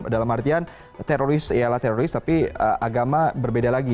dalam artian teroris ialah teroris tapi agama berbeda lagi